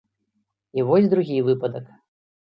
І вось другі выпадак.